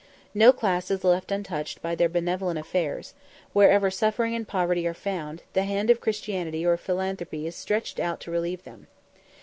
No class is left untouched by their benevolent efforts; wherever suffering and poverty are found, the hand of Christianity or philanthropy is stretched out to relieve them.